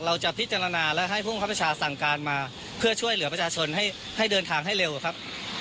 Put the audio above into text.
เราจะพิจารณาและให้ผู้บังคับประชาสั่งการมาเพื่อช่วยเหลือประชาชนให้เดินทางให้เร็วครับ